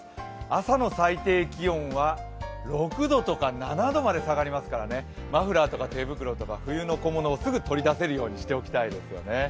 朝の最低気温は６度とか７度まで下がりますから、マフラーとか手袋とか、冬の小物をすぐ取り出せるようにしておきたいですよね。